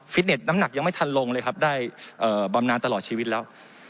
เน็ตน้ำหนักยังไม่ทันลงเลยครับได้บำนานตลอดชีวิตแล้ว